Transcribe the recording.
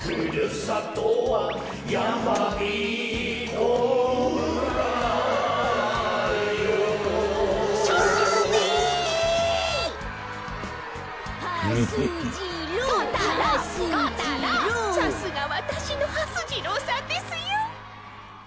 さすがわたしのはす次郎さんですよ。